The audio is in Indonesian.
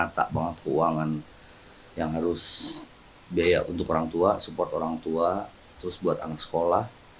terus biaya untuk orang tua support orang tua terus buat anak sekolah